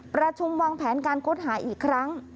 ประชุมวางแผนการค้นหาอีกครั้ง